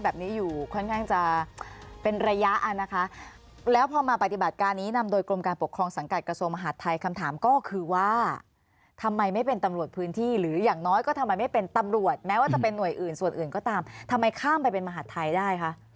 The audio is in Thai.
แบบนี้อยู่ค่อนข้างจะเป็นระยะอ่ะนะคะแล้วพอมาปฏิบัติการนี้นำโดยกรมการปกครองสังกัดกระทรวงมหาดไทยคำถามก็คือว่าทำไมไม่เป็นตำรวจพื้นที่หรืออย่างน้อยก็ทำไมไม่เป็นตำรวจแม้ว่าจะเป็นหน่วยอื่นส่วนอื่นก็ตามทำไมข้ามไปเป็นมหาดไทยได้คะ